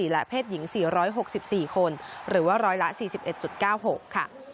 และเพศหญิง๔๖๔คนหรือว่าร้อยละ๔๑๙๖ค่ะ